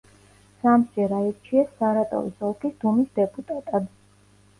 სამჯერ აირჩიეს სარატოვის ოლქის დუმის დეპუტატად.